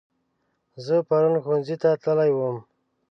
زه پرون ښوونځي ته تللی وم